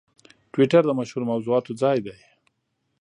ټویټر د مشهورو موضوعاتو ځای دی.